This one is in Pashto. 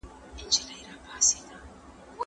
هر څومره تعلیم چي وشي بیا هم لږ دی.